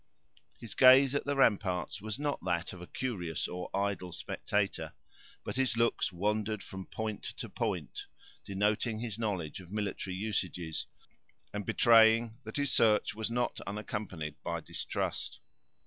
His gaze at the ramparts was not that of a curious or idle spectator; but his looks wandered from point to point, denoting his knowledge of military usages, and betraying that his search was not unaccompanied by distrust.